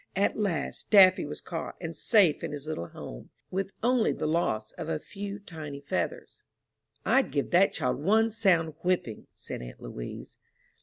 At last, Daffy was caught, and safe in his little home, with only the loss of a few tiny feathers. "I'd give that child one sound whipping," said aunt Louise.